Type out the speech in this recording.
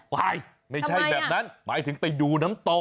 ไม่ใช่แบบนั้นหมายถึงไปดูน้ำตก